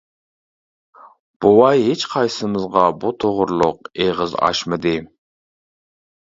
بوۋاي ھېچقايسىمىزغا بۇ توغرۇلۇق ئېغىز ئاچمىدى.